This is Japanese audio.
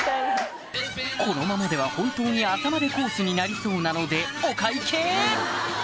このままでは本当に朝までコースになりそうなのでお会計！